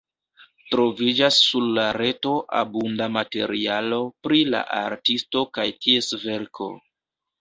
Troviĝas sur la reto abunda materialo pri la artisto kaj ties verko.